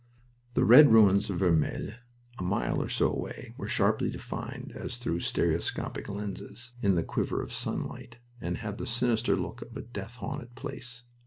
The red ruins of Vermelles, a mile or so away, were sharply defined, as through stereoscopic lenses, in the quiver of sunlight, and had the sinister look of a death haunted place.